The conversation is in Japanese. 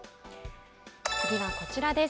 次はこちらです。